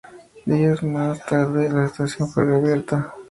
Días más tarde, la estación fue reabierta.